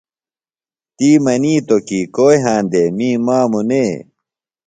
تی منِیتوۡ کیۡ کو یھاندے، می ماموۡ نئے